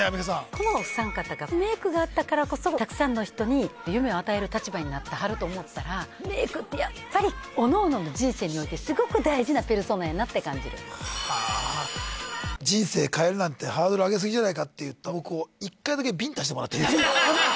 このお三方がメイクがあったからこそたくさんの人に夢を与える立場になってはると思ったらメイクってやっぱりおのおのの人生においてすごく大事なペルソナやなって感じるはあ人生変えるなんてハードル上げすぎじゃないかって言った僕を１回だけビンタしてもらっていいですか？